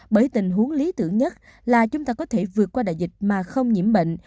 bởi tình huống lý tưởng nhất là chúng ta có thể vượt qua đại dịch mà không nhiễm bệnh